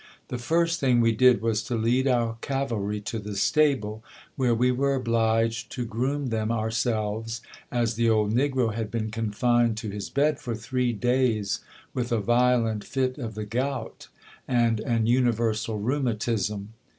The first thing we did was to lead our cavalry to the stable, where we were obliged to groom them ourselves, as the old negro had been confined to his bed for three days, with a violent fit of the gout, and an universal rheumatism.